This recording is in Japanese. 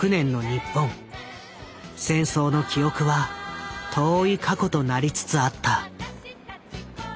戦争の記憶は遠い過去となりつつあった。